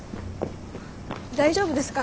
大丈夫ですか？